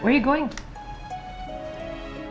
kamu mau kemana